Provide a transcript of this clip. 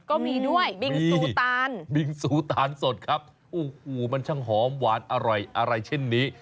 ก็มีด้วยบิงซูตานบิงซูตานสดครับโอ้โหมันช่างหอมหวานอร่อยอะไรเช่นนี้